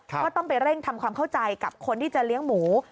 ก็ต้องไปเร่งทำความเข้าใจกับคนที่จะเลี้ยงหมู